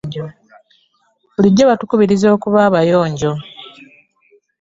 Bulijjo batukubiriza okuba abayonjo.